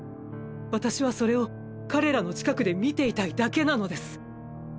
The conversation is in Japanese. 私はそれを彼らの近くで見ていたいだけなのです。